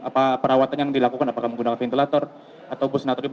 apa perawatan yang dilakukan apakah menggunakan ventilator atau busnatorium